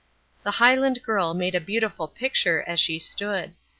The Highland girl made a beautiful picture as she stood.